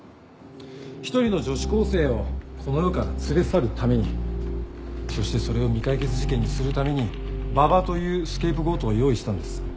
１人の女子高生をこの世から連れ去るためにそしてそれを未解決事件にするために馬場というスケープゴートを用意したんです。